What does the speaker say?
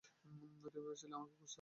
তুমি ভেবেছিলে আমাকে খুঁজতে হবে?